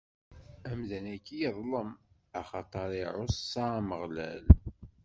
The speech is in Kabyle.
Amdan-agi yeḍlem, axaṭer iɛuṣa Ameɣlal.